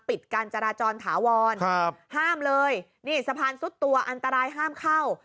ปิดการจราจรถาวรครับห้ามเลยนี่สะพานซุดตัวอันตรายห้ามเข้า